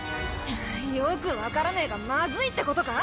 よく分からねえがマズいってことか？